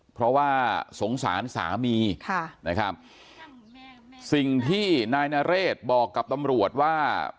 เพราะว่าสงสารสามีค่ะนะครับสิ่งที่นายนเรศบอกกับตำรวจว่า